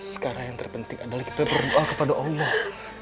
sekarang yang terpenting adalah kita berdoa kepada allah